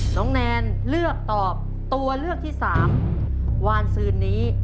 น้องแนนเลือกตอบตัวเลือกที่๓วานซื้อนี้